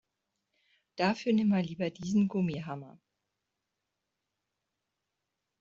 Dafür nimm mal lieber diesen Gummihammer.